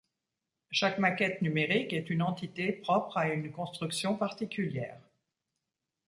Chaque maquette numérique est une entité propre à une construction particulière.